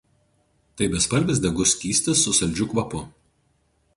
Tai bespalvis degus skystis su saldžiu kvapu.